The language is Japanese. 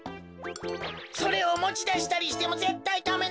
それをもちだしたりしてもぜったいダメなのだ。